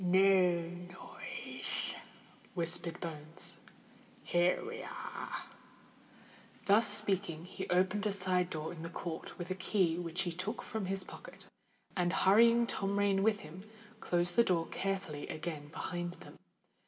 "No noise," whispered Bones. "Here we are." Thus speaking, he opened a side door in the court with a key which he took from his pocket, and, hurrying Tom Rain with him, closed the door carefully again behind them.